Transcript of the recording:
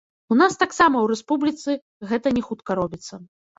У нас таксама ў рэспубліцы гэта не хутка робіцца.